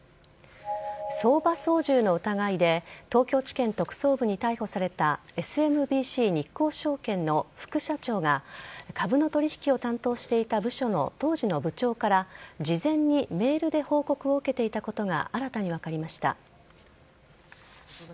相場操縦の疑いで東京地検特捜部に逮捕されたＳＭＢＣ日興証券の副社長が株の取引を担当していた部署の当時の部長から事前にメールで報告を受けていたことが新たに分かりました。